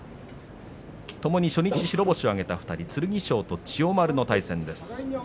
ともに初日白星を挙げた２人剣翔、千代丸の対戦。